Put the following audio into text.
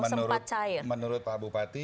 sempat cair menurut pak bupati